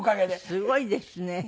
すごいですね。